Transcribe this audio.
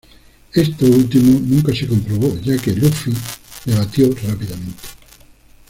Esto último nunca se comprobó ya que Luffy le batió rápidamente.